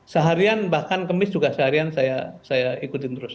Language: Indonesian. seharian bahkan kemis juga seharian saya ikutin terus